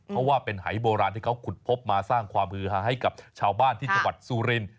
เพราะว่าเป็นหายโบราณที่เขาขุดพบมาสร้างความฮือฮาให้กับชาวบ้านที่จังหวัดสุริน